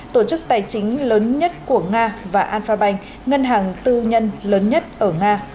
tổ chức tài chính lớn nhất của nga và alphabank ngân hàng tư nhân lớn nhất ở nga